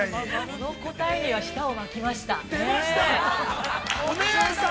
◆この答えには、舌を巻きました。